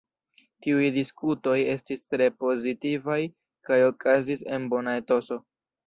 Tiuj diskutoj estis tre pozitivaj kaj okazis en bona etoso.